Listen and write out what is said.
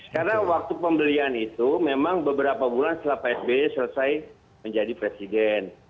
karena waktu pembelian itu memang beberapa bulan setelah pak sby selesai menjadi presiden